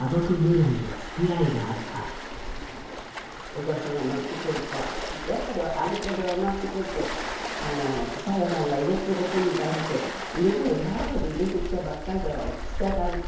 お客さんが乗ってくるからやっぱりアルコールが回ってくると定さんがいるっていうことに対して根掘り葉掘り出てきたばっかりだから聞きたがると。